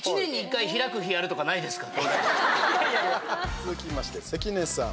続きまして、関根さん。